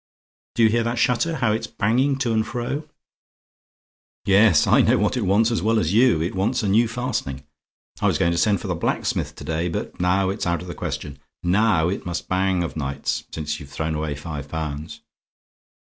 "Do you hear that shutter, how it's banging to and fro? Yes, I know what it wants as well as you; it wants a new fastening. I was going to send for the blacksmith to day, but now it's out of the question: NOW it must bang of nights, since you've thrown away five pounds.